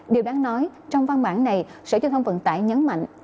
điều đáng nói trong văn bản này sở giao thông vận tải nhấn mạnh